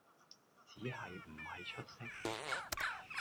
只係唔係出色